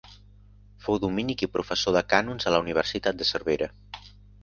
Fou dominic i professor de cànons a la Universitat de Cervera.